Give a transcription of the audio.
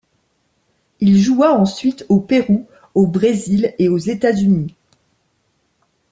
Il joua ensuite au Pérou, au Brésil et aux États-Unis.